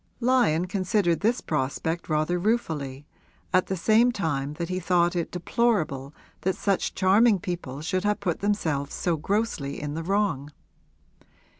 Lyon considered this prospect rather ruefully, at the same time that he thought it deplorable that such charming people should have put themselves so grossly in the wrong.